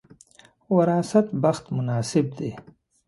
وراثت بخت مناسب دی.